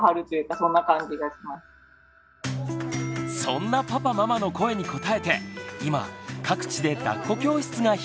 そんなパパママの声に応えて今各地でだっこ教室が開かれています。